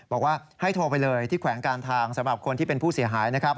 บอกว่าให้โทรไปเลยที่แขวงการทางสำหรับคนที่เป็นผู้เสียหายนะครับ